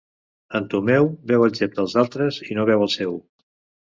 En Tomeu veu el gep dels altres i no veu el seu.